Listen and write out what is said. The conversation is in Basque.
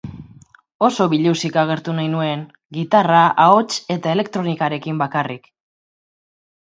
Oso biluzik agertu nahi nuen, gitarra, ahots eta elektronikarekin bakarrik.